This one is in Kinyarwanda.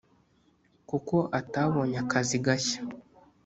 kuko atabonye akazi gashya